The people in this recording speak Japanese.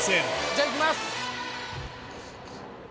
じゃあいきます！